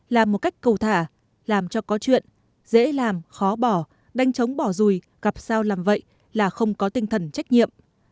làm một cách cầu thả làm cho có chuyện dễ làm khó bỏ đánh trống bỏ rùi gặp sao làm vậy là không có tinh thần trách nhiệm